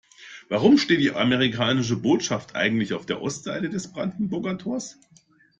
Warum steht die amerikanische Botschaft eigentlich auf der Ostseite des Brandenburger Tors?